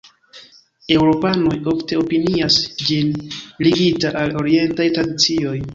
Eŭropanoj ofte opinias ĝin ligita al orientaj tradicioj.